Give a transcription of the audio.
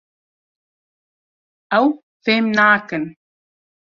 Ew fêm nakin.